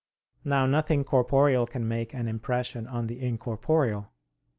Now nothing corporeal can make an impression on the incorporeal.